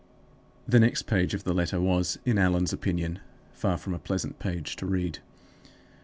"The next page of the letter was, in Allan's opinion, far from a pleasant page to read.